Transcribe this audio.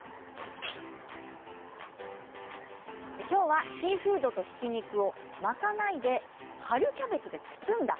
きょうはシーフードとひき肉を巻かないで春キャベツで包んだ